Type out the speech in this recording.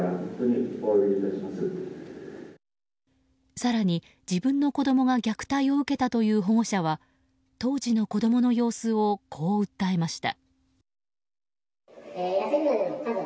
更に自分の子供が虐待を受けたという保護者は当時の子供の様子をこう訴えました。